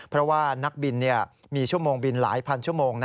เพราะว่านักบินมีชั่วโมงบินหลายพันชั่วโมง